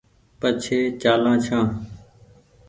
پڇي چآلان ڇآن